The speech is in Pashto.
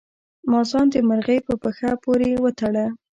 ما ځان د مرغۍ په پښه پورې وتړه.